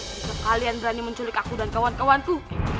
jika kalian berani menculik aku dan kawan kawan ku